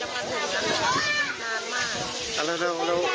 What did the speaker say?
หมอควัตรจะมาถูกนานนานมาก